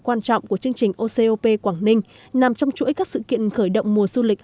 quan trọng của chương trình ocop quảng ninh nằm trong chuỗi các sự kiện khởi động mùa du lịch